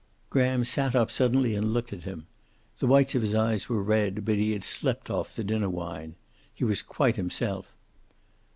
Graham sat up suddenly and looked at him. The whites of his eyes were red, but he had slept off the dinner wine. He was quite himself.